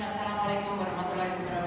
assalamu'alaikum warahmatullahi wabarakatuh